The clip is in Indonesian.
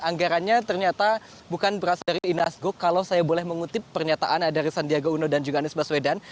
anggarannya ternyata bukan berasal dari inasgok kalau saya boleh mengutip pernyataan dari sandiaga uno dan juga anies baswedan